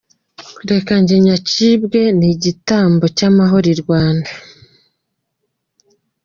Reka njye nyacibwe n’igitambo cy’amahoro i Rwanda.